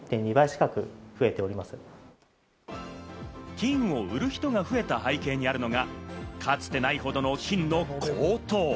金を売る人が増えた背景にあるのが、かつてないほどの金の高騰。